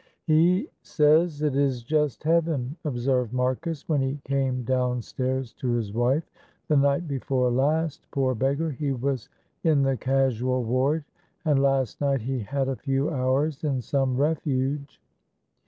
"He says it is just heaven," observed Marcus, when he came downstairs to his wife; "the night before last, poor beggar, he was in the casual ward, and last night he had a few hours in some refuge.